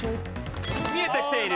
見えてきている。